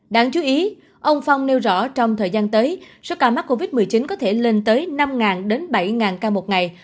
đáng chú ý ông phong nêu rõ trong thời gian tới số ca mắc covid một mươi chín có thể lên tới năm bảy ca một ngày